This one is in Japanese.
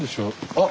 あっ！